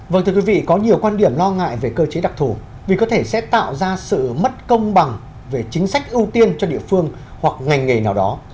vâng thưa quý vị có nhiều quan điểm lo ngại về cơ chế đặc thù vì có thể sẽ tạo ra sự mất công bằng về chính sách ưu tiên cho địa phương hoặc ngành nghề nào đó